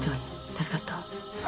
助かったわ。